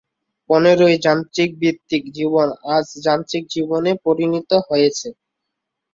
পনেরোই যন্ত্রভিত্তিক জীবন আজ যান্ত্রিক জীবনে পরিণত হয়েছে।